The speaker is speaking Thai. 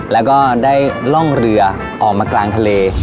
แล้วก็ได้ล่องเรือออกมากลางทะเล